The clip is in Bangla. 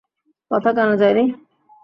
কথা কানে যায়নি?